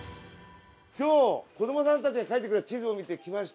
今日子どもさんたちが描いてくれた地図を見て来ました。